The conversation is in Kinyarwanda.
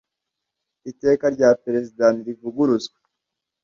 Iteka rya Perezida ni rivuguruzwa